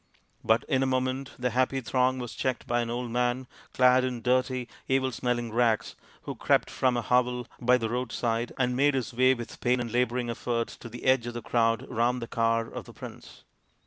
But in a moment the happy throng was checked by an old man clad in dirty evil smelling rags, who crept from a hovel by the roadside and made his way with pain and labouring effort to the edge of the crowd around the car of the prince.